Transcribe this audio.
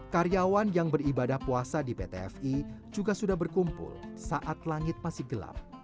karyawan yang beribadah puasa di pt fi juga sudah berkumpul saat langit masih gelap